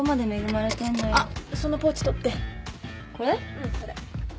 うんそれ。